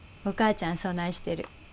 お母ちゃんそないしてる。